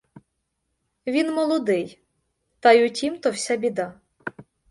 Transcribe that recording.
Він молодий, та й у тім-то вся біда.